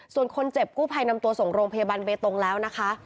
ส่วนคนเจ็บกู้ภัยนำตัวส่งโรงพยาบาลเบตงแล้วนะคะ